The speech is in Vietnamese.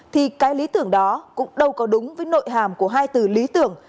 thì cái lý tưởng đó cũng đâu có đúng với nội hàm của hai từ lý tưởng